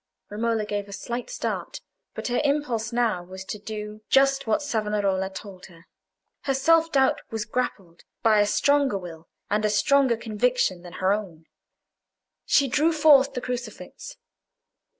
Romola gave a slight start, but her impulse now was to do just what Savonarola told her. Her self doubt was grappled by a stronger will and a stronger conviction than her own. She drew forth the crucifix.